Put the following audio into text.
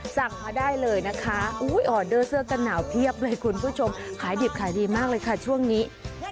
สั่งมาได้เลยนะคะออเดอร์เสื้อกันหนาวเพียบเลยคุณผู้ชมขายดิบขายดีมากเลยค่ะช่วงนี้